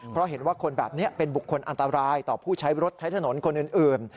เพราะเห็นว่าคนแบบนี้เป็นบุคคลอันตรายต่อผู้ใช้รถใช้ถนนคนอื่น